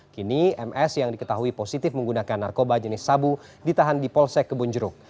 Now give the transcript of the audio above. kini ms yang diketahui positif menggunakan narkoba jenis sabu ditahan di polsek kebonjeruk